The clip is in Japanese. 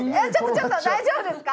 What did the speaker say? ちょっと大丈夫ですか？